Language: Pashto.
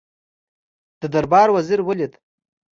د دربار وزیر ولید.